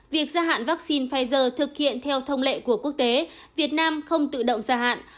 việc gia hạn vaccine pfizer thực hiện theo thông lệ của quốc tế việt nam không tự động gia hạn